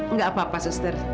nggak apa apa suster